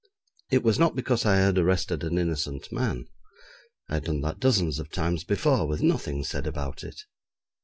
It was not because I had arrested an innocent man; I had done that dozens of times before, with nothing said about it.